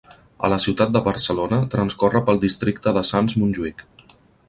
A la ciutat de Barcelona transcorre pel districte de Sants-Montjuïc.